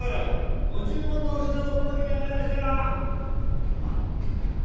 ご注文のお品お届けにあがりました。